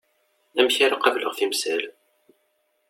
Amek ara qableɣ timsal?